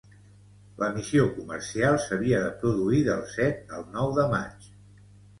La missió comercial s’havia de produir del set al nou de maig.